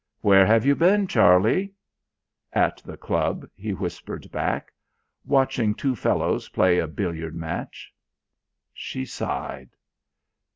"Where have you been, Charlie?" "At the club," he whispered back. "Watching two fellows play a billiard match." She sighed.